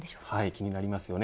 気になりますよね。